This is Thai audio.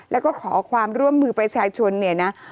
แล้วก็ขอความร่วมมือประชาชนเนี่ยนะ